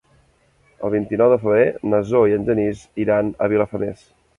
El vint-i-nou de febrer na Zoè i en Genís iran a Vilafamés.